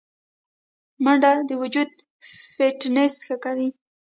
منډه د وجود فټنس ښه کوي